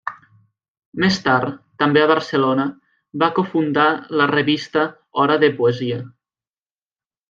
Més tard, també a Barcelona, va cofundar la revista Hora de Poesia.